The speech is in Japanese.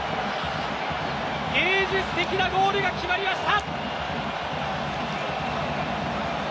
芸術的なゴールが決まりました！